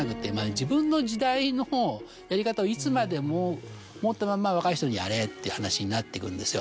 自分の時代のやり方をいつまでも持ったまま若い人に「やれ」っていう話になっていくんですよ。